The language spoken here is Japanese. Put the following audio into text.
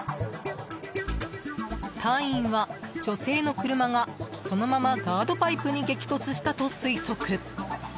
隊員は、女性の車がそのままガードパイプに激突したと推測。